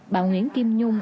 bảo nguyễn kim nhung